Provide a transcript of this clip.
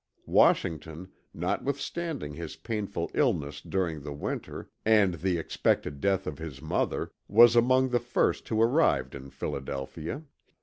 Washington, notwithstanding his painful illness during the winter and the expected death of his mother was among the first who arrived in Philadelphia.